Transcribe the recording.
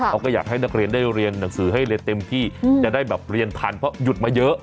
เขาก็อยากให้นักเรียนได้เรียนหนังสือให้เรียนเต็มที่จะได้แบบเรียนทันเพราะหยุดมาเยอะ